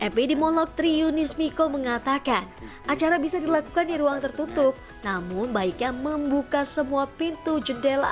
epidemiolog triunis miko mengatakan acara bisa dilakukan di ruang tertutup namun baiknya membuka semua pintu jendela